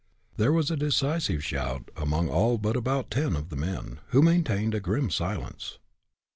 '" There was a decisive shout among all but about ten of the men, who maintained a grim silence.